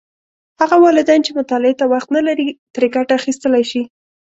هغه والدین چې مطالعې ته وخت نه لري، ترې ګټه اخیستلی شي.